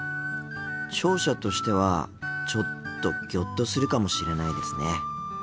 聴者としてはちょっとギョッとするかもしれないですね。